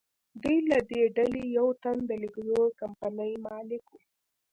دوی له دې ډلې یو تن د لکزور کمپنۍ مالک و.